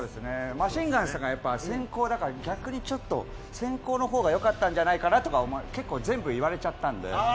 マシンガンズさんが先攻だから逆に先攻の方が良かったんじゃないかと全部言われちゃったんで。